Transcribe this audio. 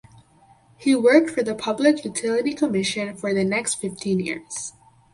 He worked for the Public Utility Commission for the next fifteen years.